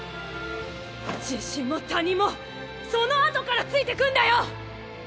自信も他人もそのあとからついてくんだよ！